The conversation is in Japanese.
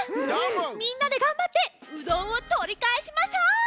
みんなでがんばってうどんをとりかえしましょう！